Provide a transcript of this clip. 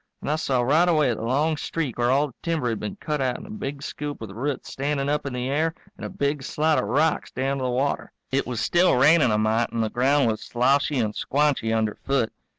And I saw right away the long streak where all the timber had been cut out in a big scoop with roots standing up in the air and a big slide of rocks down to the water. It was still raining a mite and the ground was sloshy and squanchy under foot.